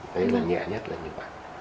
đấy là nhẹ nhất là như vậy